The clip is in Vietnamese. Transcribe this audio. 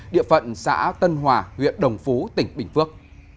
địa phận xã tân hòa huyện đồng phú tỉnh bình phước